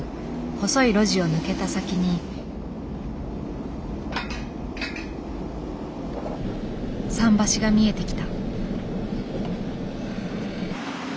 細い路地を抜けた先に桟橋が見えてきた。